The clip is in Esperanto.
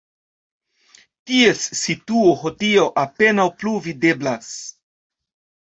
Ties situo hodiaŭ apenaŭ plu videblas.